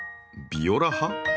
ビオラ派？